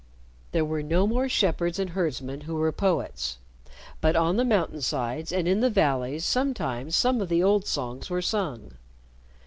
There were no more shepherds and herdsmen who were poets, but on the mountain sides and in the valleys sometimes some of the old songs were sung.